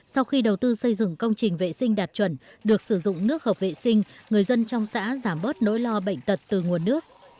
sau khi đầu tư xây dựng công trình vệ sinh đạt chuẩn được sử dụng nước hợp vệ sinh người dân trong xã giảm bớt nỗi lo bệnh tật từ nguồn nước